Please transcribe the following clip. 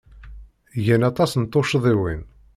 Gan aṭas n tuccḍiwin.